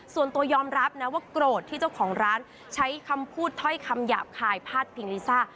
ส่วนตัวยอมรับนะว่าโกรธที่เจ้าของร้านใช้คำพูดถ้อยคำหยาบคายพาดพิงลิซ่า